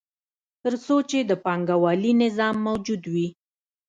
تر څو چې د پانګوالي نظام موجود وي